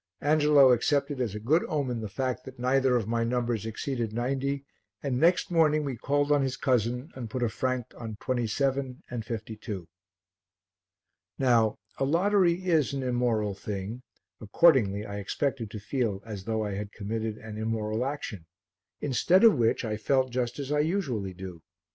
Angelo accepted as a good omen the fact that neither of my numbers exceeded 90, and next morning we called on his cousin and put a franc on 27 and 52. Now, a lottery is an immoral thing, accordingly I expected to feel as though I had committed an immoral action, instead of which I felt just as I usually do.